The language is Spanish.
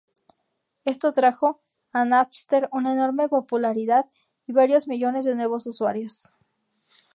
Esto trajo a Napster una enorme popularidad y varios millones de nuevos usuarios.